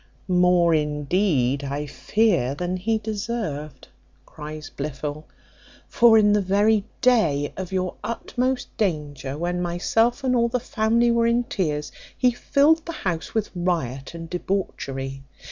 "More, indeed, I fear, than he deserved," cries Blifil; "for in the very day of your utmost danger, when myself and all the family were in tears, he filled the house with riot and debauchery.